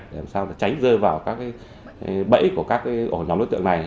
để làm sao tránh rơi vào các bẫy của các ổ nhóm đối tượng này